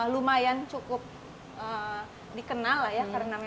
lumayan cukup dikenal lah ya karena memang